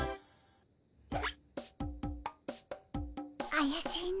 あやしいね。